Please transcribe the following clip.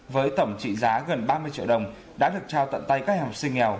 với tổng trị giá gần ba mươi triệu đồng đã được trao tận tay các học sinh nghèo